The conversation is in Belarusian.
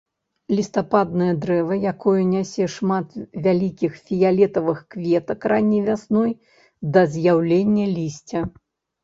Лістападнае дрэва, якое нясе шмат вялікіх фіялетавых кветак ранняй вясной да з'яўлення лісця.